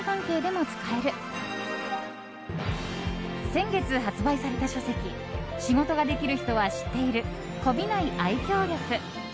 先月発売された書籍「仕事ができる人は知っているこびない愛嬌力」。